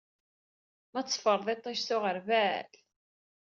M ad d-teffreḍ iṭij s uɣerbal!